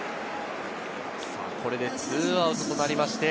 これで２アウトとなりました。